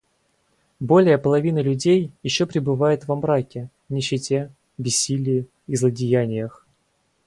Более половины людей еще пребывают во мраке, нищете, бессилии и злодеяниях.